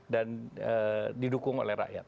dan didukung oleh rakyat